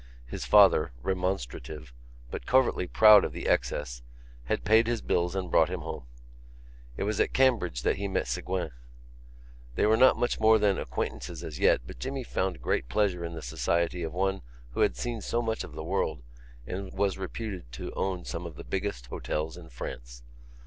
His father, remonstrative, but covertly proud of the excess, had paid his bills and brought him home. It was at Cambridge that he had met Ségouin. They were not much more than acquaintances as yet but Jimmy found great pleasure in the society of one who had seen so much of the world and was reputed to own some of the biggest hotels in France.